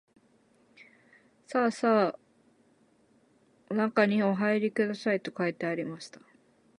さあさあおなかにおはいりください、と書いてありました